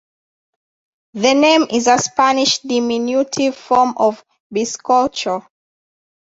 The name is a Spanish diminutive form of bizcocho.